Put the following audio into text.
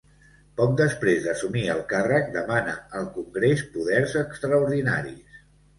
Poc després d'assumir el càrrec, demanà al congrés poders extraordinaris.